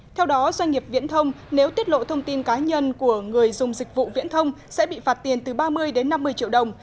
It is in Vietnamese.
theo đó doanh nghiệp viễn thông nếu tiết lộ thông tin cá nhân của người dùng dịch vụ viễn thông sẽ bị phạt tiền từ ba mươi đến năm mươi triệu đồng